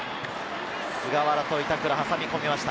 菅原と板倉、挟み込みました。